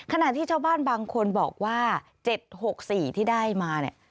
ขนาดที่เจ้าบ้านบางคนบอกว่า๗๖๔ที่ได้มา